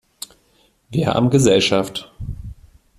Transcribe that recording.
Wir haben Gesellschaft!